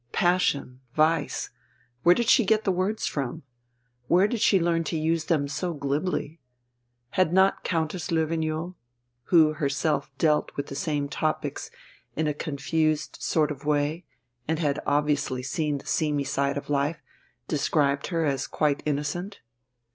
"Passion," "vice," where did she get the words from? where did she learn to use them so glibly? Had not Countess Löwenjoul, who herself dealt with the same topics in a confused sort of way, and had obviously seen the seamy side of life, described her as quite innocent!